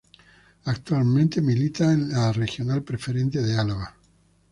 Actualmente milita en la Regional Preferente de Álava.